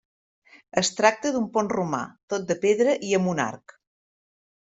Es tracta d'un pont romà, tot de pedra i amb un arc.